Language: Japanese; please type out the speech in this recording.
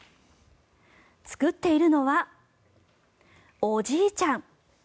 作っているのはおじいちゃん。